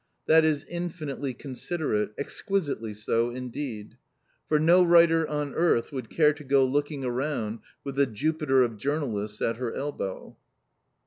That is infinitely considerate, exquisitely so, indeed. For no writer on earth would care to go looking around with the Jupiter of Journalists at her elbow!